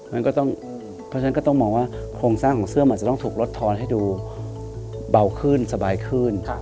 เพราะฉะนั้นก็ต้องมองว่าโครงสร้างของเสื้อมันจะต้องถูกรดทอนให้ดูเบากลัวขึ้นสบายขึ้น